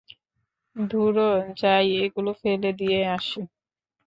ধুরো, যাই এগুলো ফেলে দিয়ে আসি।